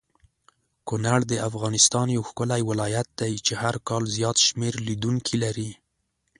کونړ دافغانستان یو ښکلی ولایت دی چی هرکال زیات شمیر لیدونکې لری